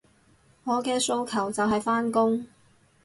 我嘅訴求就係返工